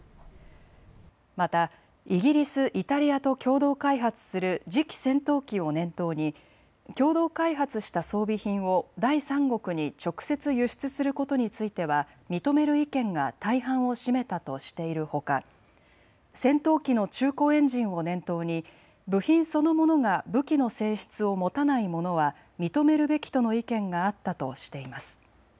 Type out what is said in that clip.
またイギリス、イタリアと共同開発する次期戦闘機を念頭に共同開発した装備品を第三国に直接輸出することについては認める意見が大半を占めたとしているほか戦闘機の中古エンジンを念頭に部品そのものが武器の性質を持たないものは認めるべきとの意見があったとしています。